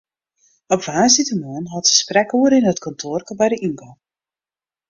Op woansdeitemoarn hâldt se sprekoere yn it kantoarke by de yngong.